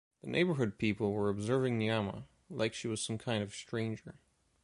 That neighborhood people were observing Nyamaa, like she was some kind of stranger.